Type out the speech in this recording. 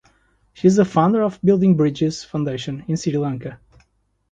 She is the founder of Building Bridges foundation in Sri Lanka.